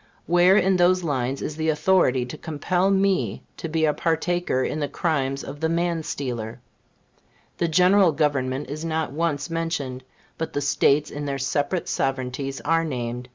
Where in those lines is the authority to compel me to be a partaker in the crimes of the man stealer? The General Government is not once mentioned; but the States in their separate sovereignties are named.